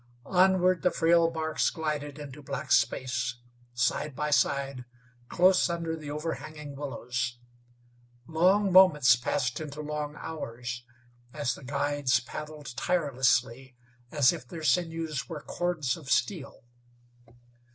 Onward the frail barks glided into black space, side by side, close under the overhanging willows. Long moments passed into long hours, as the guides paddled tirelessly as if their sinews were cords of steel.